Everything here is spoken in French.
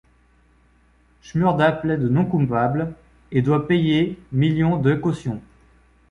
Shmurda plaide non coupable, et doit payer millions de caution.